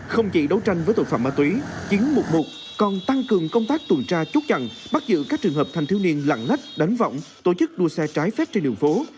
không chỉ đấu tranh với tội phạm ma túy chín trăm một mươi một còn tăng cường công tác tuần tra chốt chặn bắt giữ các trường hợp thanh thiếu niên lặng lách đánh vọng tổ chức đua xe trái phép trên đường phố